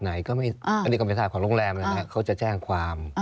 ไหนก็ไม่อันนี้ก็เป็นสถาปน์ของโรงแรมนะครับเขาจะแจ้งความ